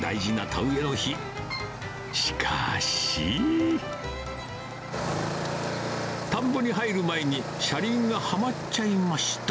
田んぼに入る前に車輪がはまっちゃいました。